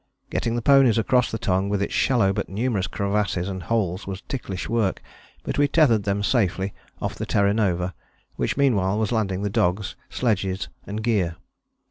Getting the ponies across the Tongue with its shallow but numerous crevasses and holes was ticklish work, but we tethered them safely off the Terra Nova, which meanwhile was landing dogs, sledges and gear.